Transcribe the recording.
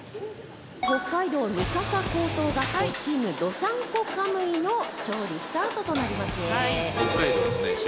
北海道三笠高等学校チームどさんこかむいの調理スタートとなりますね。